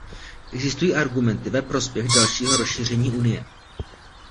Existují argumenty ve prospěch dalšího rozšíření Unie.